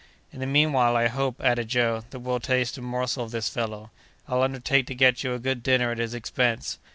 "In the mean while, I hope," added Joe, "that we'll taste a morsel of this fellow. I'll undertake to get you a good dinner at his expense.